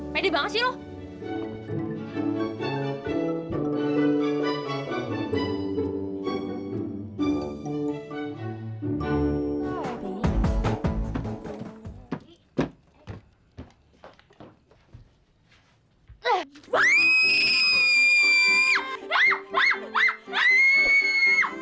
medi banget sih lo